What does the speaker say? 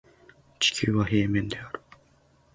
地球は平面である